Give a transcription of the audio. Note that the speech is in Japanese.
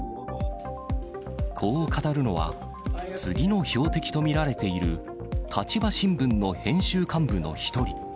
こう語るのは、次の標的と見られている立場新聞の編集幹部の一人。